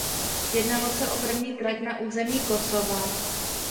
Jednalo se o první trať na území Kosova.